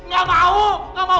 gak mau gak mau